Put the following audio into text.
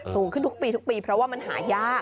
สูงขึ้นทุกปีทุกปีเพราะว่ามันหายาก